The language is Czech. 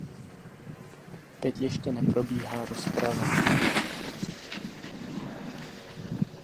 Teď ještě neprobíhá rozprava.